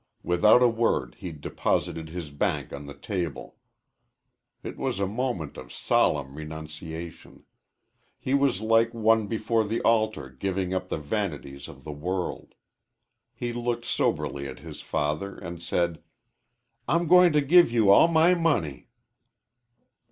Without a word he deposited his bank on the table. It was a moment of solemn renunciation. He was like one before the altar giving up the vanities of the world. He looked soberly at his father and said, "I'm going to give you all my money."